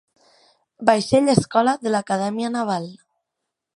Vaixell escola de l'Acadèmia Naval.